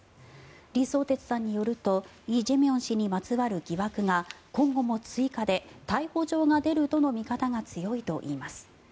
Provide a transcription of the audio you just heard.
李相哲さんによるとイ・ジェミョン氏にまつわる疑惑が今後も追加で逮捕状が出るとの見方が強いといいます。